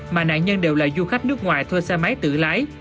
mà nạn nhân đều là du khách nước ngoài thuê xe máy tự lái